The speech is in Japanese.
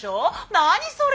何それ！